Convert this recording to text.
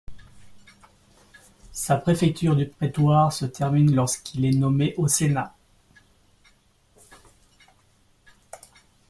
Sa préfecture du prétoire se termine lorsqu'il est nommé au Sénat.